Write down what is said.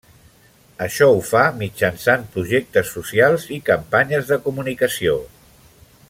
Això ho fa mitjançant projectes socials i campanyes de comunicació.